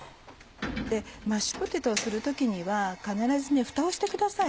マッシュポテトをする時には必ずふたをしてください。